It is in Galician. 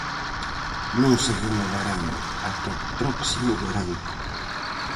Non se renovarán ata o próximo verán.